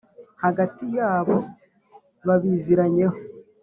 hagati yabo babiziranyeho